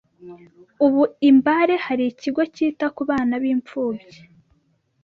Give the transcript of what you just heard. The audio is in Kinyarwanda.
Ubu i Mbare hari ikigo cyita ku bana b’imfubyi